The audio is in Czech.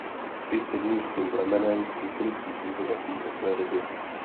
Spis je důležitým pramenem historických informací o své době.